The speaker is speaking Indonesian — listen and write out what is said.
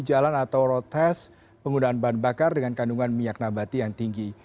jalan atau road test penggunaan bahan bakar dengan kandungan minyak nabati yang tinggi